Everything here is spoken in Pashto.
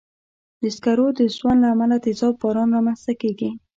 د سکرو د سون له امله تېزاب باران رامنځته کېږي.